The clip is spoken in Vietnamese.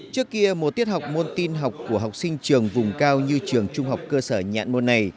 trước kia một tiết học môn tin học của học sinh trường vùng cao như trường trung học cơ sở nhạn môn này